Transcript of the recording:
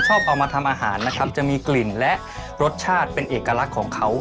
ชอบเอามาทำอาหารนะครับจะมีกลิ่นและรสชาติเป็นเอกลักษณ์ของเขา